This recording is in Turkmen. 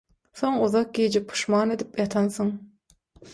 soň uzak gije puşman edip ýatansyň.